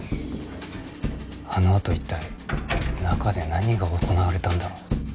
あのあと一体中で何が行われたんだろう？